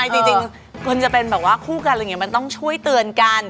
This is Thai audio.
จริงคนจะเป็นแบบว่าคู่กันอะไรอย่างนี้มันต้องช่วยเตือนกัน